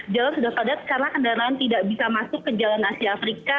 jalan sudah padat karena kendaraan tidak bisa masuk ke jalan asia afrika